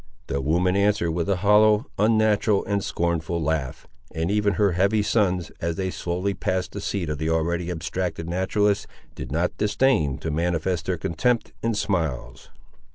The woman answered with a hollow, unnatural, and scornful laugh, and even her heavy sons, as they slowly passed the seat of the already abstracted naturalist, did not disdain to manifest their contempt in smiles.